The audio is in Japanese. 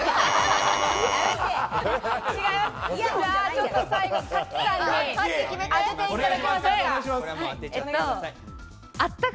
ちょっと最後、賀喜さんに当てていただきましょうか。